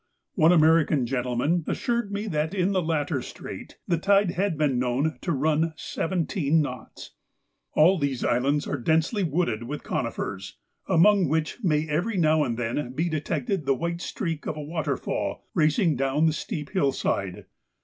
One American gentleman assured me that in the latter strait the tide had been known to run seventeen knots! All these islands are densely wooded with conifers, among which may every now and then be detected the white streak of a waterfall racing down the steep hill side.